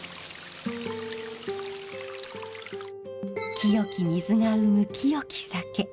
清き水が生む清き酒。